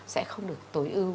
sẽ không được tối ưu